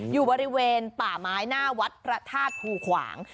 อยู่บริเวณป่าไม้หน้าวัดพระธาตุภูขวาง